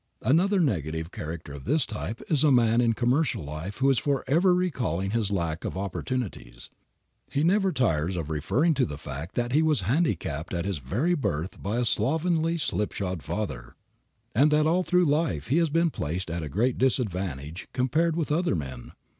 Another negative character of this type is a man in commercial life who is forever recalling his lack of opportunities. He never tires of referring to the fact that he was handicapped at his very birth by a slovenly slipshod father, and that all through life he has been placed at a great disadvantage compared with other men.